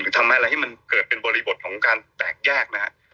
หรือทำอะไรให้มันเกิดเป็นบริบทของการแตกแยกนะครับ